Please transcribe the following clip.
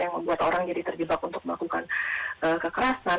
yang membuat orang jadi terjebak untuk melakukan kekerasan